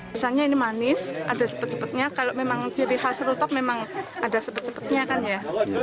misalnya ini manis ada sepet sepetnya kalau memang jadi hasil utop memang ada sepet sepetnya kan ya